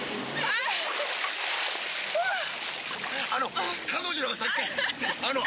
あの。